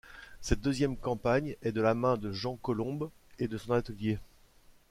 Cette deuxième campagne est de la main de Jean Colombe et de son atelier.